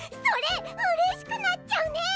それうれしくなっちゃうね！